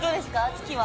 月は。